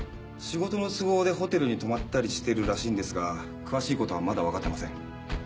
仕事の都合でホテルに泊まったりしてるらしいんですが詳しいことはまだわかっていません。